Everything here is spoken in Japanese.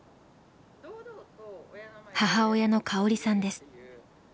母親の香織さんです。